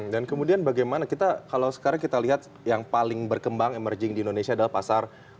dan kemudian bagaimana kita kalau sekarang kita lihat yang paling berkembang emerging di indonesia adalah pasar